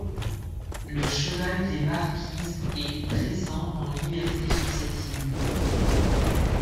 Le cheval des Marquises est présent en liberté sur cette île.